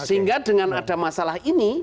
sehingga dengan ada masalah ini